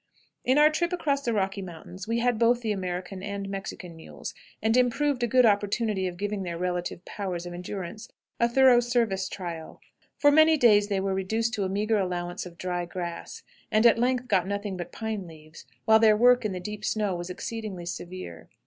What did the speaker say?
In our trip across the Rocky Mountains we had both the American and Mexican mules, and improved a good opportunity of giving their relative powers of endurance a thorough service trial. For many days they were reduced to a meagre allowance of dry grass, and at length got nothing but pine leaves, while their work in the deep snow was exceedingly severe.